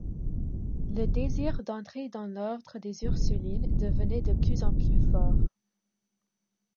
Le Désir d'entrer dans l'ordre des Ursulines devenait de plus en plus fort.